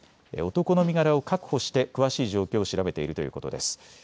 男の身柄を確保して詳しい状況を調べているということです。